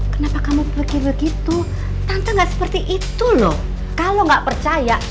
kenapa kamu pergi begitu tante gak seperti itu loh kalau nggak percaya